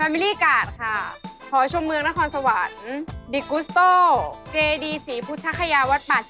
สมชมเมืองระคาสวรรค์